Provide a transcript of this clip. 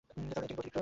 এটা কিন্তু অতিরিক্ত!